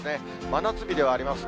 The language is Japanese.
真夏日ではあります。